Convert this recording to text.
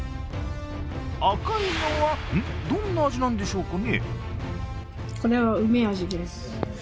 赤いのは、どんな味なんでしょうかね？